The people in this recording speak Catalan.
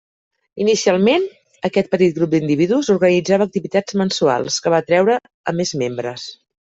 Inicialment, aquest petit grup d'individus organitzava activitats mensuals que va atreure a més membres.